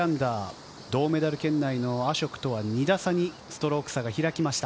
銅メダル圏内のアショクとは、２打差にストローク差が開きました。